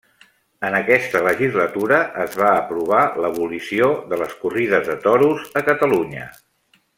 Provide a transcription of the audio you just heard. En aquesta legislatura es va aprovar l'abolició de les corrides de toros a Catalunya.